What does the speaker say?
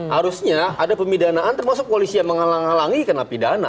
harusnya ada pemidanaan termasuk polisi yang menghalangi kena pidana